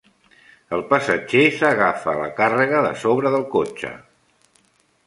El passatger s'agafa a la càrrega de sobre del cotxe.